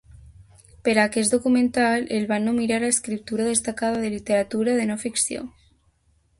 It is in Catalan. Per aquest documental, el van nominar a escriptura destacada de literatura de no-ficció.